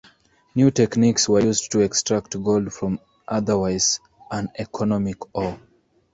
New techniques were used to extract gold from otherwise uneconomic ore.